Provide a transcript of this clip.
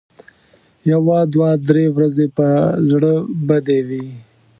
یو دوه درې ورځې به زړه بدې وي.